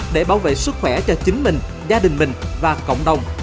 để bảo vệ sức khỏe cho chính mình gia đình mình và cộng đồng